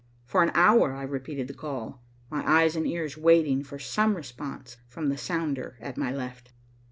For an hour I repeated the call, my eyes and ears waiting for some response from the sounder at my left.